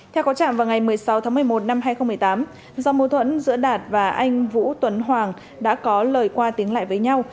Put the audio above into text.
theo có trạng vào ngày một mươi sáu tháng một mươi một năm hai nghìn một mươi tám do mâu thuẫn giữa đạt và anh vũ tuấn hoàng đã có lời qua tiếng lại với nhau